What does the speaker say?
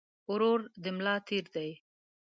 ورور د ملا تير دي